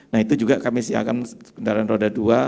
nah itu juga kami siapkan kendaraan roda dua